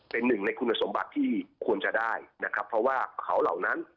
เป็นหนึ่งในคุณสมบัติที่ควรจะได้นะครับเพราะว่าเขาเหล่านั้น